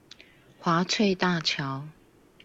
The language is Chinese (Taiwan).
華翠大橋